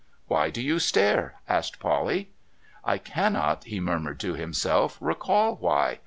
'Why do you stare?' asked Polly. ' I cannot,' he murmured to himself, ' recall why.